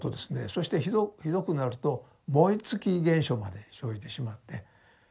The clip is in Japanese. そしてひどくなると燃え尽き現象まで生じてしまって。